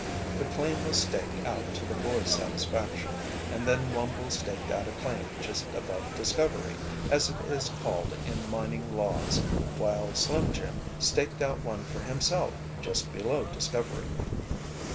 The claim was staked out to the boys' satisfaction, and then Wumble staked out a claim just above Discovery, as it is called in mining laws, while Slim Jim staked out one for himself just below Discovery.